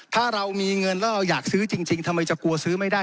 ถ้าเรามีเงินแล้วเราอยากซื้อจริงทำไมจะกลัวซื้อไม่ได้